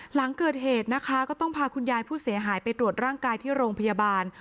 หลังเกิดเหตุนะคะก็ต้องพาคุณยายผู้เสียหายไปตรวจร่างกายที่โรงพยาบาล